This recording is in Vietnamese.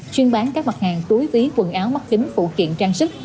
chuyên bán các mặt hàng túi ví quần áo mắt kính phụ kiện trang sức